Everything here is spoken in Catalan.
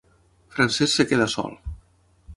Francesc es queda sol.